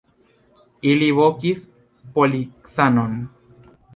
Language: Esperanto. Ili vokis policanon.